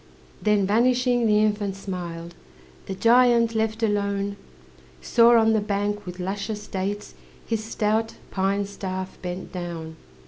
Then, vanishing, the infant smiled. The giant, left alone, Saw on the bank, with luscious dates, His stout pine staff bent down.